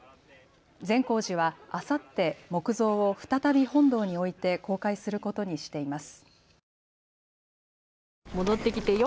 善光寺はあさって木像を再び本堂に置いて公開することにしています。